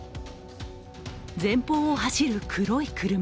前方を走る黒い車。